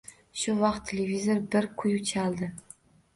Shu vaqt televizor bir kuy chaldi.